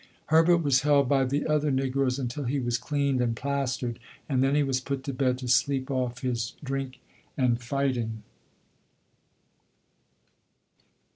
Herbert was held by the other negroes until he was cleaned and plastered, and then he was put to bed to sleep off his drink and fighting.